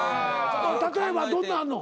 例えばどんなんあんの？